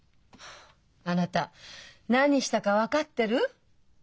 あなた何したか分かってる？